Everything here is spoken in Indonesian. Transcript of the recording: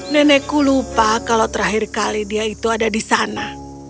nenekku lupa kalau terakhir kali dia itu ada di sana